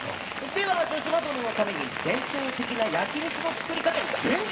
では城島殿のために伝統的な焼き味噌の作り方を伝授しよう！